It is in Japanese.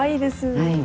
はい。